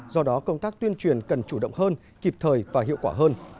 do đó công tác tuyên truyền cần chủ động hơn kịp thời và hiệu quả hơn